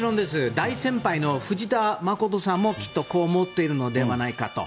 大先輩の藤田まことさんもきっとこう思っているのではないかと。